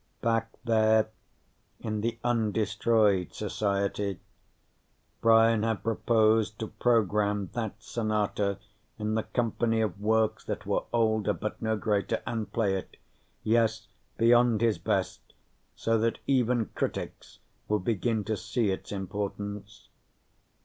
Back there in the undestroyed society, Brian had proposed to program that sonata in the company of works that were older but no greater, and play it yes, beyond his best, so that even critics would begin to see its importance.